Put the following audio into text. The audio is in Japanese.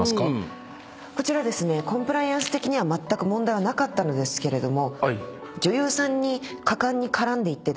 こちらコンプライアンス的には問題はなかったのですけれども。